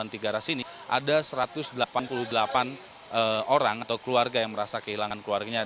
di garasi ini ada satu ratus delapan puluh delapan orang atau keluarga yang merasa kehilangan keluarganya